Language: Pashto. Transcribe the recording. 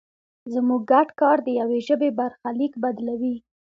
زموږ ګډ کار د یوې ژبې برخلیک بدلوي.